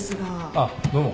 あっどうも。